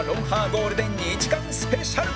ゴールデン２時間スペシャル！